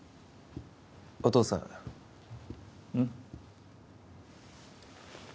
お父さんうん？